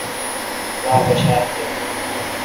خدا خوشال تہ۔